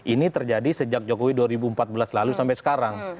ini terjadi sejak jokowi dua ribu empat belas lalu sampai sekarang